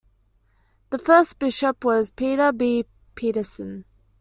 The first bishop was Peter B. Peterson.